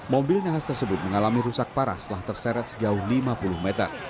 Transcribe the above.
mobil nahas tersebut mengalami rusak parah setelah terseret sejauh lima puluh meter